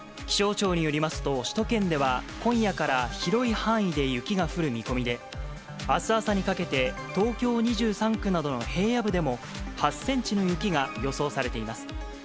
気象庁によりますと、首都圏では、今夜から広い範囲で雪が降る見込みで、あす朝にかけて東京２３区などの平野部でも、８センチの雪が予想されています。